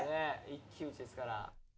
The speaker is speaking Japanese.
一騎打ちですから。